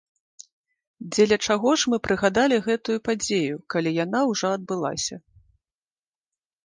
Дзеля чаго ж мы прыгадалі гэтую падзею, калі яна ўжо адбылася?